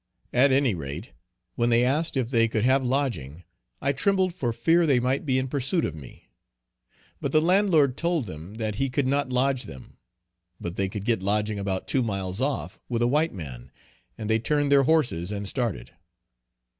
At any rate when they asked if they could have lodging, I trembled for fear they might be in pursuit of me. But the landlord told them that he could not lodge them, but they could get lodging about two miles off, with a white man, and they turned their horses and started.